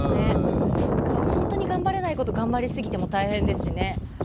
本当に頑張れないことを頑張りすぎても大変ですし。